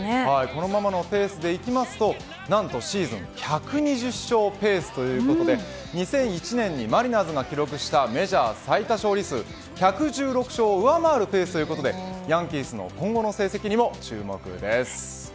このままのペースでいきますと何とシーズン１２０勝ペースということで２００１年にマリナーズが記録したメジャー最多勝利数１１６勝を上回るペースということでヤンキースの今後の成績にも注目です。